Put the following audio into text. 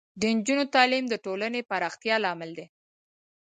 د نجونو تعلیم د ټولنې پراختیا لامل دی.